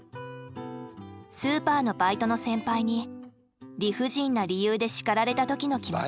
スーパーのバイトの先輩に理不尽な理由で叱られた時の気持ち。